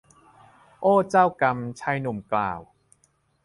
โอ้เจ้ากรรม ชายหนุ่มกล่าว